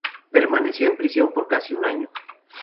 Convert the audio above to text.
Permaneció en prisión por casi un año.